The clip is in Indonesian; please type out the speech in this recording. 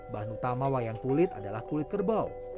bahan utama wayang kulit adalah kulit kerbau